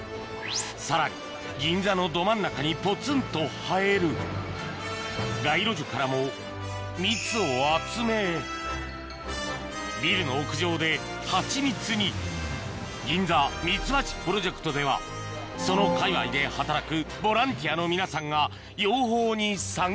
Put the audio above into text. さらに銀座のど真ん中にポツンと生える街路樹からも蜜を集めビルの屋上でハチミツに銀座ミツバチプロジェクトではそのかいわいで働くボランティアの皆さんが養蜂に参加